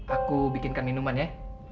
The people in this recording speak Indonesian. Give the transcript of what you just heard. aku bikinkan minuman ya